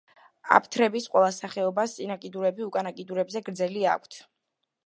აფთრების ყველა სახეობას წინა კიდურები უკანა კიდურებზე გრძელი აქვთ.